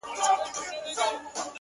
پخوا د كلي په گودر كي جـادو ـ